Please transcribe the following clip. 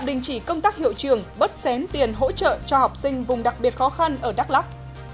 đình chỉ công tác hiệu trường bớt xén tiền hỗ trợ cho học sinh vùng đặc biệt khó khăn ở đắk lắk